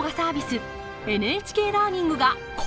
ＮＨＫラーニングがコラボ！